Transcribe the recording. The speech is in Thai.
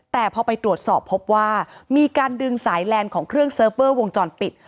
แต่พอไปตรวจสอบพบว่ามีการดึงสายแลนด์ของเครื่องเซิร์ฟเวอร์วงจรปิด